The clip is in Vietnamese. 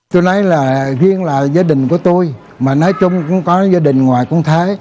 tôi nói là riêng là gia đình của tôi mà nói chung cũng có gia đình ngoài cũng thế